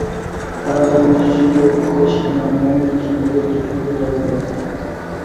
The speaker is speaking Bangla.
কারাগার মসজিদের পেশ ইমাম মনির হোসেন তাঁদের দুজনকেই তওবা পড়াতে যান।